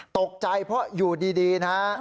ตกใจเพราะอยู่ดีนะฮะ